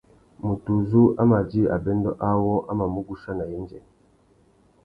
Mutu uzu a mà djï abêndô awô a mà mù guchia nà yendzê.